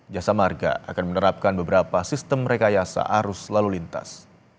jasa marga akan menerapkan beberapa sistem rekayasa arus lalu lintas